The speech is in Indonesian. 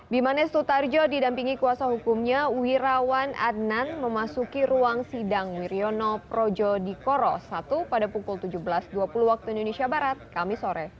bimanes tutarjo didampingi kuasa hukumnya wirawan adnan memasuki ruang sidang wirjono projo di koro satu pada pukul tujuh belas dua puluh wib kamis sore